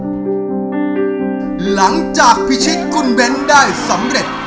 หลังจากพิชิตคุณเบ้นได้สำเร็จ